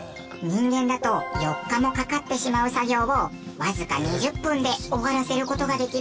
人間だと４日もかかってしまう作業をわずか２０分で終わらせる事ができるんだそうです。